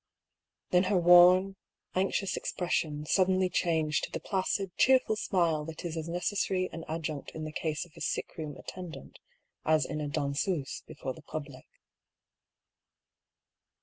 Then her worn, anxious expression suddenly changed to the placid, cheerful smile that is as necessary an ad junct in the case of a sick room attendant as in a danseuse before the public.